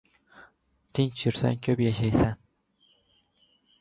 • Tinch yursang ― ko‘p yashaysan.